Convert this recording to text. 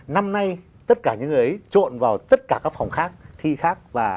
năm nay tất cả những người ấy trộn vào tất cả các phòng khác thi khác